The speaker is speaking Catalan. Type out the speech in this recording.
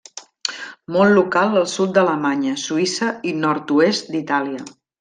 Molt local al sud d'Alemanya, Suïssa i nord-oest d'Itàlia.